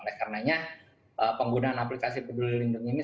oleh karenanya penggunaan aplikasi peduli lindung ini